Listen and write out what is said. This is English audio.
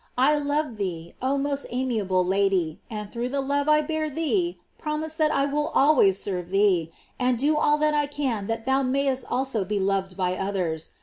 I love thee, oh most amia ble Lady, and through the love I bear thee prom ise that I will always serve thee, and do all that I can that thou mayest also be loved by others.